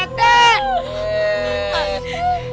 hantu budaknya nongol